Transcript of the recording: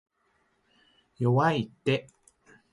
弱いって